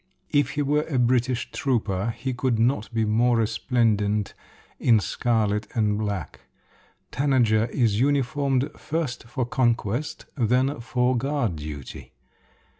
If he were a British trooper he could not be more resplendent in scarlet and black. Tanager is uniformed first for conquest, then for guard duty.